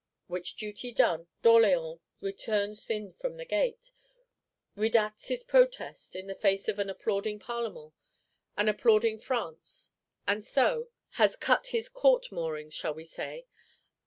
Which duty done, D'Orléans returns in from the gate; redacts his Protest, in the face of an applauding Parlement, an applauding France; and so—has cut his Court moorings, shall we say?